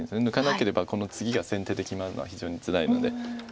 抜かなければこのツギが先手で決まるのは非常につらいので。